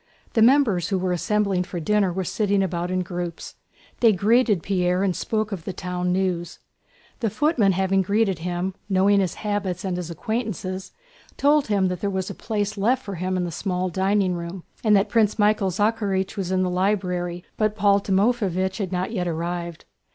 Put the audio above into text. The members who were assembling for dinner were sitting about in groups; they greeted Pierre and spoke of the town news. The footman having greeted him, knowing his habits and his acquaintances, told him there was a place left for him in the small dining room and that Prince Michael Zakhárych was in the library, but Paul Timoféevich had not yet arrived.